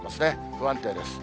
不安定です。